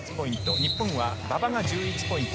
日本は馬場が１１ポイント。